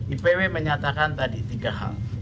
ipw menyatakan tadi tiga hal